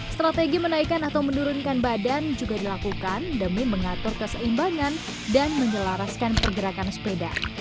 strategi menaikan atau menurunkan badan juga dilakukan demi mengatur keseimbangan dan menyelaraskan pergerakan sepeda